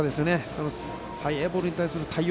その速いボールに対する対応